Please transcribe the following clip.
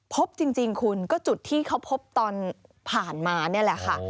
พบจริงคุณก็จุดที่เขาพบตอนผ่านมานี่แหละค่ะ